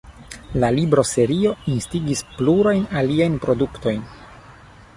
La libroserio instigis plurajn aliajn produktojn.